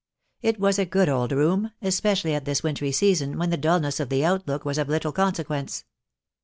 It was a good old room, especially at this wintry season, when the dulness of the outlook was of little consequence.